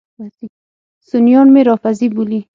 سنیان مې رافضي بولي.